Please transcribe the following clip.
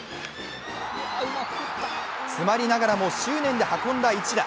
詰まりながらも執念で運んだ一打。